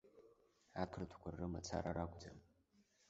Ақырҭқәа рымацара ракәӡам.